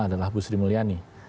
adalah bu sri mulyani